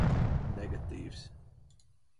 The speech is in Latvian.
Negatīvs.